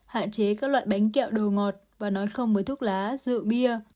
hạn chế các loại bánh kẹo đồ ngọt và nói không với thuốc lá rượu bia